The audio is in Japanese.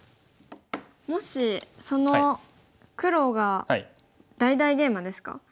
もしその黒が大々ゲイマですか。